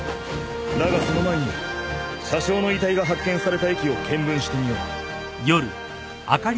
だがその前に車掌の遺体が発見された駅を検分してみよう。